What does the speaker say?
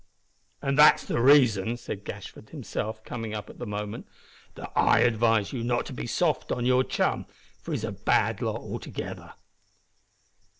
"And that's the reason," said Gashford himself, coming up at the moment, "that I advised you not to be too soft on your chum, for he's a bad lot altogether."